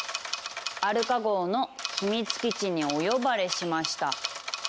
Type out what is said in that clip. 「アルカ号の秘密基地にお呼ばれしました」。